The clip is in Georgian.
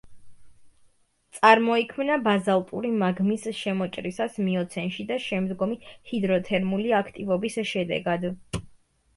წარმოიქმნა ბაზალტური მაგმის შემოჭრისას მიოცენში და შემდგომი ჰიდროთერმული აქტივობის შედეგად.